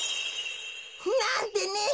なんてね！